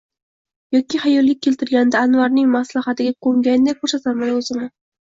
yoki xayolga keltirganida Anvarning “maslahat”iga ko’nganday ko’rsatarmidi o’zini?